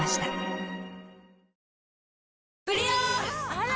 あら！